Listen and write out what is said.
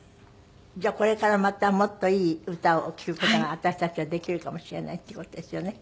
じゃあこれからまたもっといい歌を聞く事が私たちはできるかもしれないっていう事ですよね。